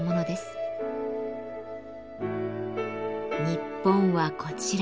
日本はこちら。